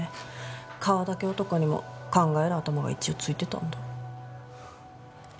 顔だけ男にも考える頭が一応ついてたんだ。